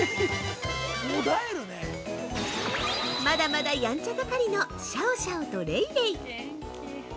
◆まだまだやんちゃ盛りのシャオシャオとレイレイ。